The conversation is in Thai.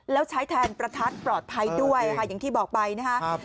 แล้วใช้แทนประทัดปลอดภัยด้วยค่ะอย่างที่บอกไปนะครับ